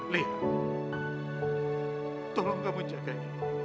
lia tolong kamu jagain